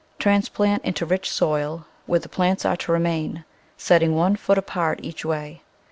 Transplant into rich soil where the plants are to remain, setting one foot apart each way.